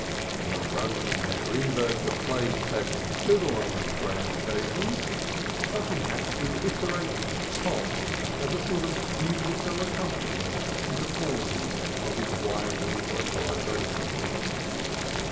Not only had Greenberg to play second fiddle on these grand occasions, but he had to iterate "Pom" as a sort of musical accompaniment in the pauses of his rival's vocalization.